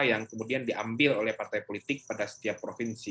yang kemudian diambil oleh partai politik pada setiap provinsi